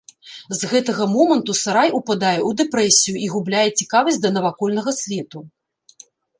З гэтага моманту сарай упадае ў дэпрэсію і губляе цікавасць да навакольнага свету.